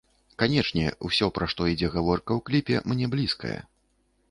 Канечне, усё, пра што ідзе гаворка ў кліпе, мне блізкае.